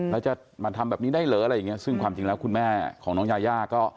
แล้วจะมาทำแบบนี้ได้เหรออะไรอย่างเงี้ซึ่งความจริงแล้วคุณแม่ของน้องยายาก็